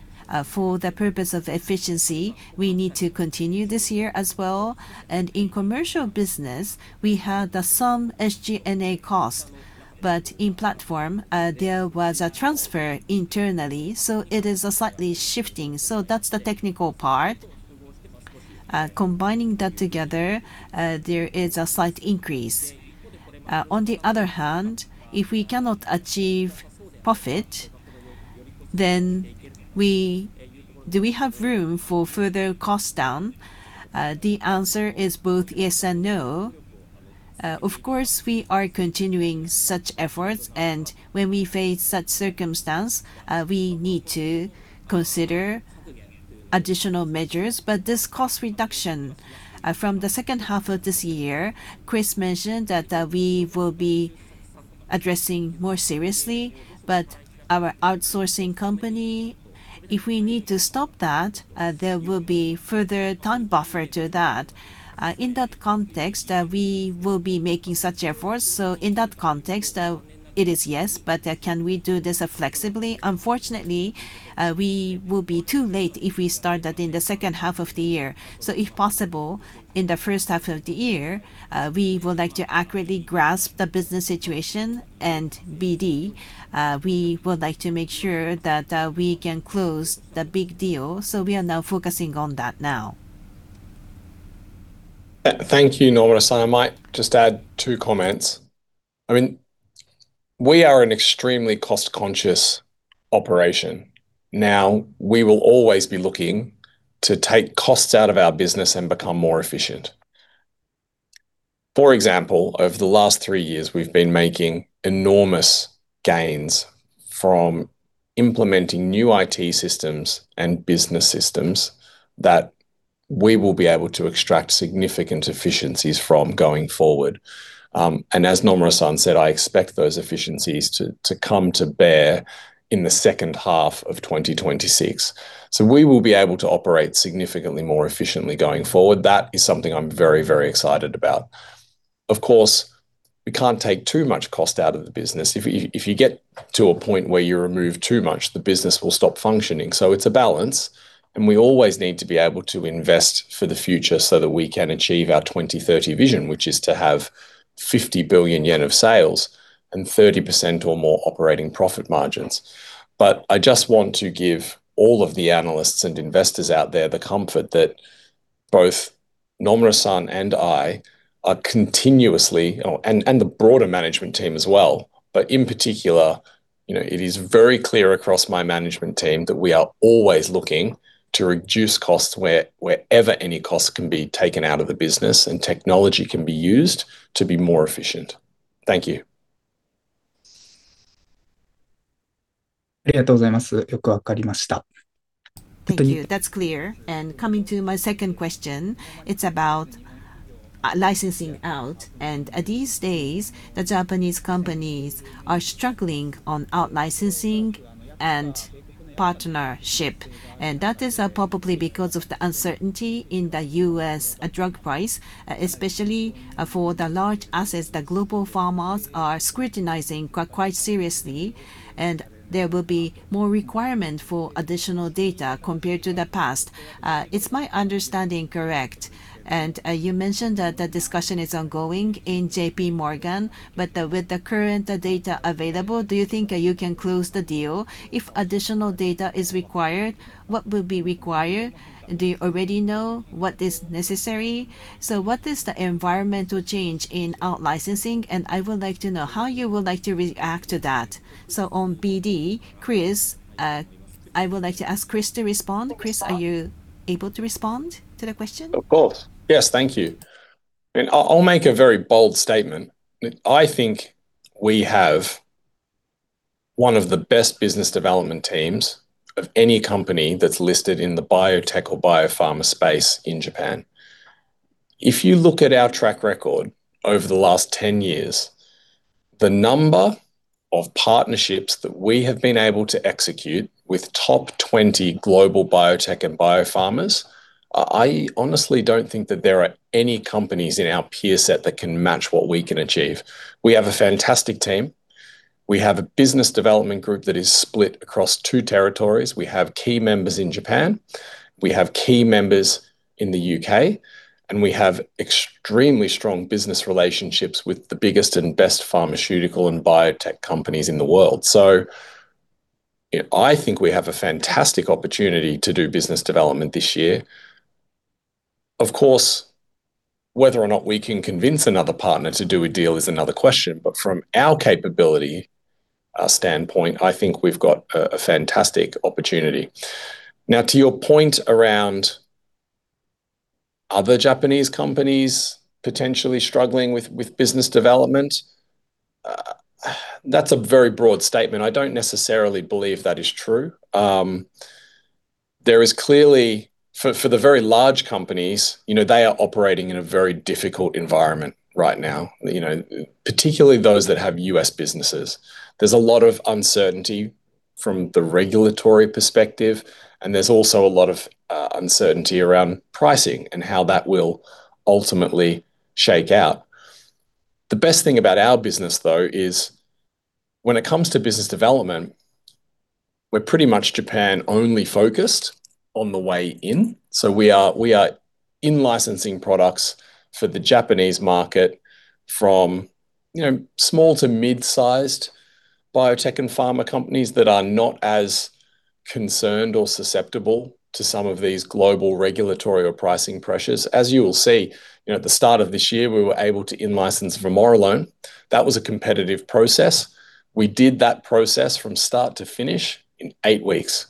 For the purpose of efficiency, we need to continue this year as well. In commercial business, we had some SG&A cost, but in platform, there was a transfer internally, so it is slightly shifting. That's the technical part. Combining that together, there is a slight increase. On the other hand, if we cannot achieve profit, then do we have room for further cost down? The answer is both yes and no. Of course, we are continuing such efforts, and when we face such circumstance, we need to consider additional measures. But this cost reduction from the second half of this year, Chris mentioned that, we will be addressing more seriously, but our outsourcing company, if we need to stop that, there will be further time buffer to that. In that context, we will be making such efforts. So in that context, it is yes, but can we do this flexibly? Unfortunately, we will be too late if we start that in the second half of the year. So, if possible, in the first half of the year, we would like to accurately grasp the business situation and BD. We would like to make sure that we can close the big deal, so we are now focusing on that now. Thank you, Nomura San. I might just add two comments. I mean, we are an extremely cost-conscious operation. Now, we will always be looking to take costs out of our business and become more efficient. For example, over the last three years, we've been making enormous gains from implementing new IT systems and business systems that we will be able to extract significant efficiencies from going forward. And as Nomura San said, I expect those efficiencies to come to bear in the second half of 2026. So we will be able to operate significantly more efficiently going forward. That is something I'm very, very excited about. Of course, we can't take too much cost out of the business. If you get to a point where you remove too much, the business will stop functioning. So it's a balance, and we always need to be able to invest for the future so that we can achieve our 20/30 vision, which is to have 50 billion yen of sales and 30% or more operating profit margins. But I just want to give all of the analysts and investors out there the comfort that both Nomura-san and I are continuously... Oh, and the broader management team as well. But in particular, you know, it is very clear across my management team that we are always looking to reduce costs wherever any cost can be taken out of the business and technology can be used to be more efficient. Thank you. Thank you. That's clear. And coming to my second question, it's about licensing out. And these days, the Japanese companies are struggling on out-licensing and partnership, and that is probably because of the uncertainty in the U.S. drug price, especially for the large assets the global pharmas are scrutinizing quite seriously, and there will be more requirement for additional data compared to the past. Is my understanding correct? And you mentioned that the discussion is ongoing in JPMorgan, but with the current data available, do you think you can close the deal? If additional data is required, what will be required? Do you already know what is necessary? So what is the environmental change in out-licensing? And I would like to know how you would like to react to that. So on BD, Chris, I would like to ask Chris to respond. Chris, are you able to respond to the question? Of course. Yes, thank you. And I'll, I'll make a very bold statement. I think we have one of the best business development teams of any company that's listed in the biotech or biopharma space in Japan. If you look at our track record over the last 10 years, the number of partnerships that we have been able to execute with top 20 global biotech and biopharmas, I, I honestly don't think that there are any companies in our peer set that can match what we can achieve. We have a fantastic team. We have a business development group that is split across two territories. We have key members in Japan, we have key members in the U.K., and we have extremely strong business relationships with the biggest and best pharmaceutical and biotech companies in the world. So, you know, I think we have a fantastic opportunity to do business development this year. Of course, whether or not we can convince another partner to do a deal is another question, but from our capability standpoint, I think we've got a fantastic opportunity. Now, to your point around other Japanese companies potentially struggling with business development, that's a very broad statement. I don't necessarily believe that is true. There is clearly for the very large companies, you know, they are operating in a very difficult environment right now. You know, particularly those that have U.S. businesses. There's a lot of uncertainty from the regulatory perspective, and there's also a lot of uncertainty around pricing and how that will ultimately shake out. The best thing about our business, though, is when it comes to business development, we're pretty much Japan-only focused on the way in, so we are in-licensing products for the Japanese market from, you know, small to mid-sized biotech and pharma companies that are not as concerned or susceptible to some of these global regulatory or pricing pressures. As you will see, you know, at the start of this year, we were able to in-license vamorolone. That was a competitive process. We did that process from start to finish in eight weeks.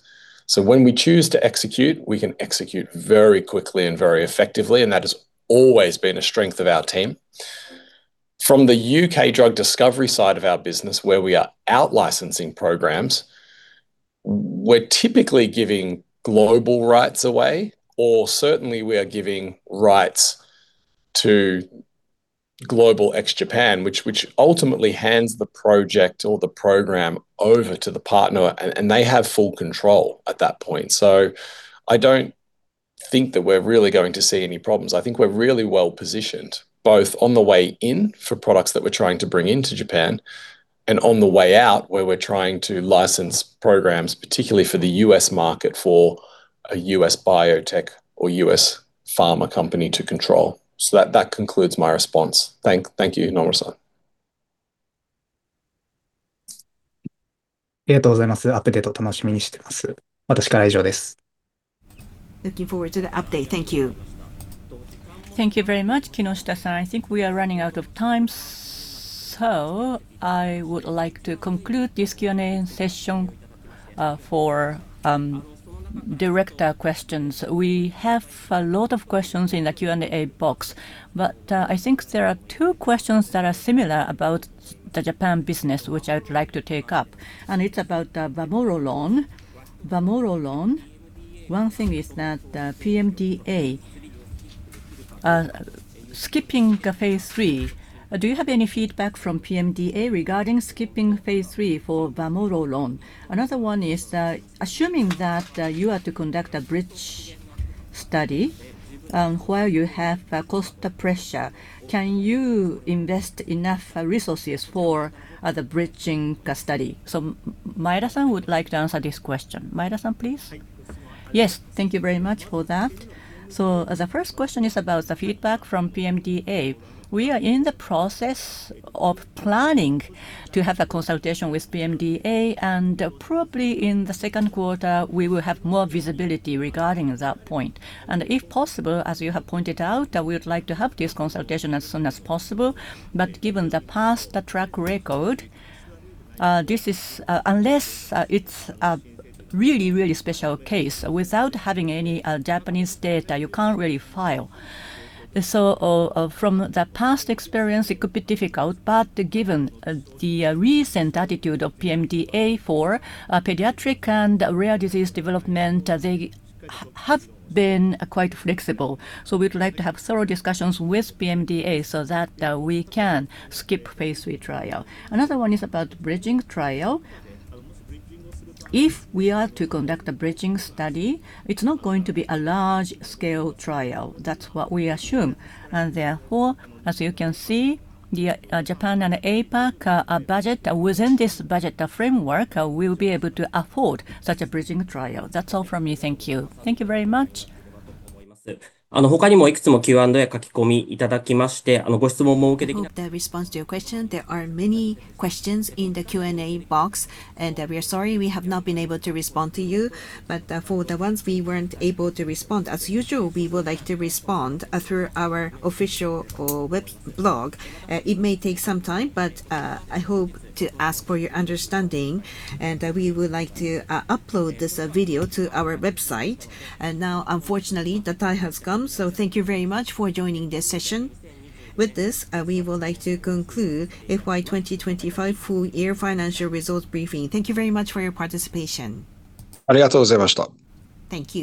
So when we choose to execute, we can execute very quickly and very effectively, and that has always been a strength of our team. From the U.K. drug discovery side of our business, where we are out-licensing programs, we're typically giving global rights away, or certainly we are giving rights to global ex-Japan, which ultimately hands the project or the program over to the partner, and they have full control at that point. So I don't think that we're really going to see any problems. I think we're really well positioned, both on the way in, for products that we're trying to bring into Japan, and on the way out, where we're trying to license programs, particularly for the U.S. market, for a U.S. biotech or U.S. pharma company to control. So that concludes my response. Thank you, Nori-san. Looking forward to the update. Thank you. Thank you very much, Kinoshita-san. I think we are running out of time, so I would like to conclude this Q&A session for director questions. We have a lot of questions in the Q&A box, but I think there are two questions that are similar about the Japan business, which I would like to take up, and it's about vamorolone. Vamorolone. One thing is that PMDA skipping phase III. Do you have any feedback from PMDA regarding skipping phase III for vamorolone? Another one is assuming that you are to conduct a bridge study while you have cost pressure, can you invest enough resources for the bridging study? So Maeda-san would like to answer this question. Maeda-san, please. Yes, thank you very much for that. So the first question is about the feedback from PMDA. We are in the process of planning to have a consultation with PMDA, and probably in the second quarter, we will have more visibility regarding that point. And if possible, as you have pointed out, we would like to have this consultation as soon as possible, but given the past track record, this is... Unless it's a really, really special case, without having any Japanese data, you can't really file. So from the past experience, it could be difficult, but given the recent attitude of PMDA for pediatric and rare disease development, they have been quite flexible. So we'd like to have thorough discussions with PMDA so that we can skip phase III trial. Another one is about bridging trial. If we are to conduct a bridging study, it's not going to be a large-scale trial. That's what we assume. And therefore, as you can see, the Japan and APAC budget within this budget framework, we'll be able to afford such a bridging trial. That's all from me. Thank you. Thank you very much. I hope that responds to your question. There are many questions in the Q&A box, and we are sorry we have not been able to respond to you. But for the ones we weren't able to respond, as usual, we would like to respond through our official web blog. It may take some time, but I hope to ask for your understanding, and we would like to upload this video to our website. And now, unfortunately, the time has come, so thank you very much for joining this session. With this, we would like to conclude FY 2025 full year financial results briefing. Thank you very much for your participation. Thank you.